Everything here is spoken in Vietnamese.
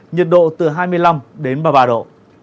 nhiệt độ từ hai mươi năm đến ba mươi ba độ